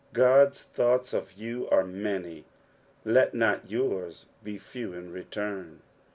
Qod's thoughts of you are many, let not yours be few in return.